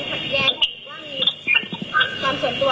เอ่อไม่มีครับ